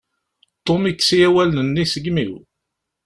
Tom yekkes-iyi awalen-nni seg imi-w.